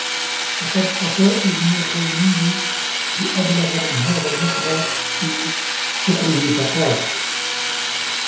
وَقَدْ أَتَى ابْنُ الرُّومِيِّ بِأَبْلَغَ مِنْ هَذَا الْمَعْنَى فِي شَعْرِهِ فَقَالَ